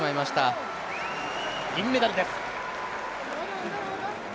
銀メダルです。